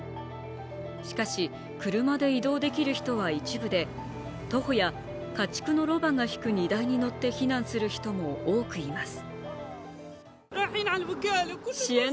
しかし、車で移動できる人は一部で徒歩や家畜のロバが引く荷台に乗って避難する人も多くいます。